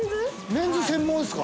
◆メンズ専門ですか。